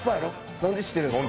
何で知ってるんすか？